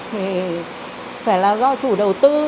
thì phải là do chủ đầu tư